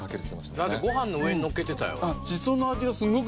だってご飯の上にのっけてたよ。